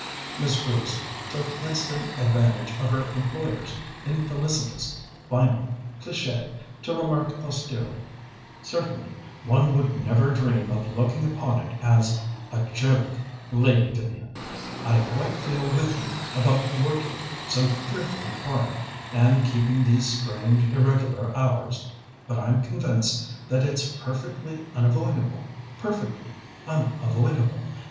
Miss Bruce took instant advantage of her employer's infelicitous final cliché to remark austerely: "Certainly one would never dream of looking upon it as a joke, Lady Vivian. I quite feel with you about the working so fearfully hard, and keeping these strange, irregular hours, but I'm convinced that it's perfectly unavoidable perfectly unavoidable.